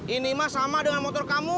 ini mas sama dengan motor kamu